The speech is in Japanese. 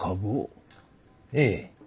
ええ。